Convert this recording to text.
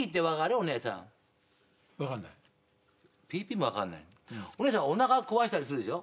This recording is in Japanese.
お姉さんおなか壊したりするでしょ？